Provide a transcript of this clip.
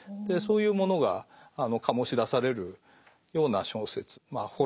そういうものが醸し出されるような小説まあ